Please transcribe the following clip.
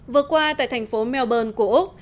vừa qua tại thành phố melbourne của úc